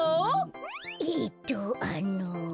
えっとあの。